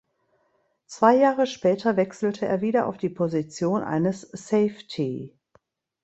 Zwei Jahre später wechselte er wieder auf die Position eines Safety.